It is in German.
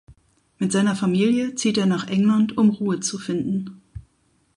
Mit seiner Familie zieht er nach England, um Ruhe zu finden.